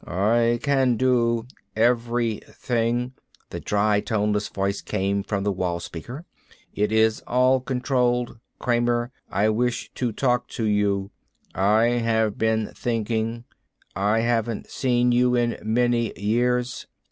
"I can do everything," the dry, toneless voice came from the wall speaker. "It is all controlled. Kramer, I wish to talk to you. I've been been thinking. I haven't seen you in many years.